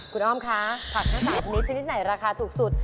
คุณอ้อมคะผักข้าวสาวนี้ชนิดไหนราคาถูกสุด